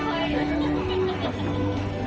โปรดติดตามตอนต่อไป